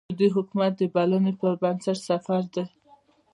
د سعودي حکومت د بلنې پر بنسټ سفر دی.